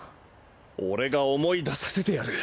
俺が思い出させてやる。